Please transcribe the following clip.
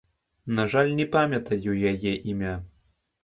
На жаль, не памятаю яе імя.